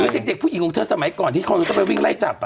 คือเด็กผู้หญิงของเธอสมัยก่อนที่เขาจะต้องไปวิ่งไล่จับ